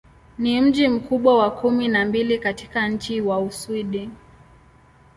Ni mji mkubwa wa kumi na mbili katika nchi wa Uswidi.